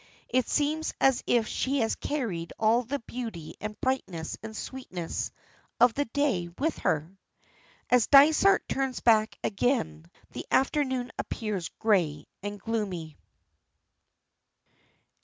It seems as if she has carried all the beauty and brightness and sweetness of the day with her. As Dysart turns back again, the afternoon appears grey and gloomy.